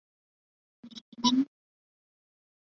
维古莱奥齐。